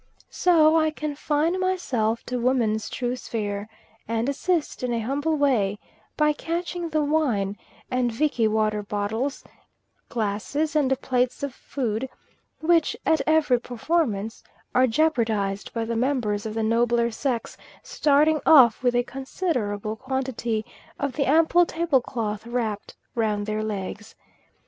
So I confine myself to woman's true sphere, and assist in a humble way by catching the wine and Vichy water bottles, glasses, and plates of food, which at every performance are jeopardised by the members of the nobler sex starting off with a considerable quantity of the ample table cloth wrapped round their legs.